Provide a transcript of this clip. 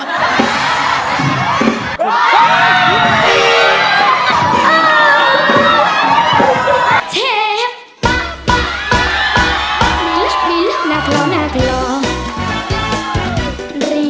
โรงแรมเขาก็คินเล่าซิโรงแรมมันได้เลย